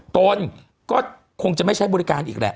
ตนก็คงจะไม่ใช้บริการอีกแหละ